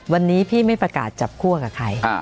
วันนี้พี่ไม่ประกาศจับคั่วกับใคร